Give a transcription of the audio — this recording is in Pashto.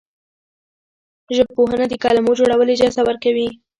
ژبپوهنه د کلمو جوړول اجازه ورکوي.